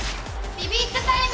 ビビッとタイム！